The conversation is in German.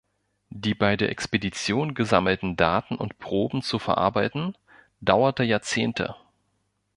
Die bei der Expedition gesammelten Daten und Proben zu verarbeiten dauerte Jahrzehnte.